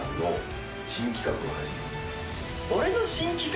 俺の新企画？